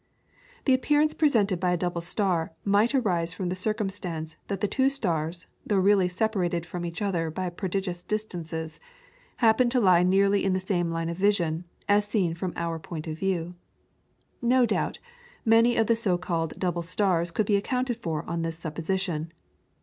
The appearance presented by a double star might arise from the circumstance that the two stars, though really separated from each other by prodigious distances, happened to lie nearly in the same line of vision, as seen from our point of view. No doubt, many of the so called double stars could be accounted for on this supposition.